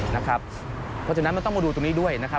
เพราะฉะนั้นมันต้องมาดูตรงนี้ด้วย